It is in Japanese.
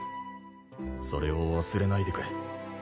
それを忘れないでくれ。